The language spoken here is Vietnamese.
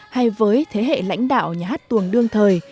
hay với thế hệ lãnh đạo nhà hát tuồng đương thời